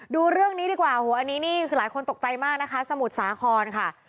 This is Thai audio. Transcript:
ดูเรื่องนี้ดีกว่าโอ้โหอันนี้นี่คือหลายคนตกใจมากนะคะสมุทรสาครค่ะ